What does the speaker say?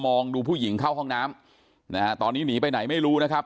ดูผู้หญิงเข้าห้องน้ำนะฮะตอนนี้หนีไปไหนไม่รู้นะครับ